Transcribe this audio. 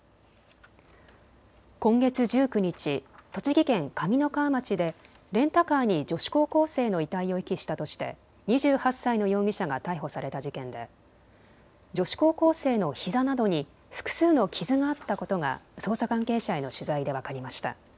今月１９日、栃木県上三川町でレンタカーに女子高校生の遺体を遺棄したとして２８歳の容疑者が逮捕された事件で女子高校生のひざなどに複数の傷があったことが捜査関係者への取材で分かりました。